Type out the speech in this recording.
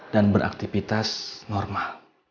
dan beraktifitas normal